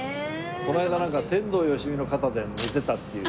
この間なんか天童よしみの肩で寝てたっていう。